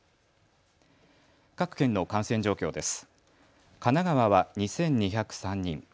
各県の感染状況です。